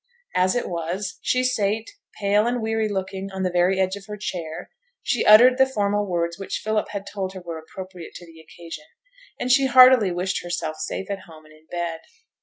As it was, she sate, pale and weary looking, on the very edge of her chair; she uttered the formal words which Philip had told her were appropriate to the occasion, and she heartily wished herself safe at home and in bed.